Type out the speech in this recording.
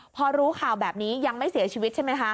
พอรู้ข่าวแบบนี้ยังไม่เสียชีวิตใช่ไหมคะ